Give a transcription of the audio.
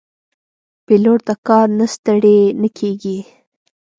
پیلوټ د کار نه ستړی نه کېږي.